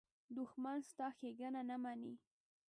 دښمن ستا ښېګڼه نه مني